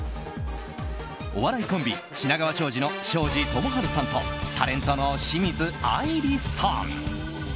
お笑いコンビ品川庄司の庄司智春さんとタレントの清水あいりさん。